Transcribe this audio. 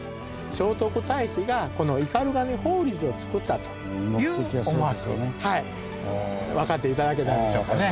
聖徳太子がこの斑鳩に法隆寺をつくったという思惑分かって頂けたでしょうかね？